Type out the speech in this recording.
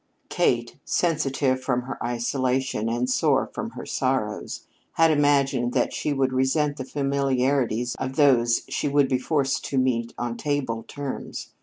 Kate, sensitive from her isolation and sore from her sorrows, had imagined that she would resent the familiarities of those she would be forced to meet on table terms.